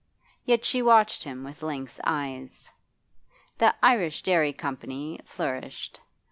Yet she watched him with lynx eyes. The 'Irish Dairy Company' flourished.